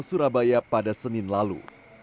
surabaya pada senin lalu